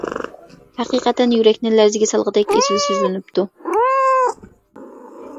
ھەقىقەتەن يۈرەكنى لەرزىگە سالغىدەك ئېسىل سۆزلىنىپتۇ.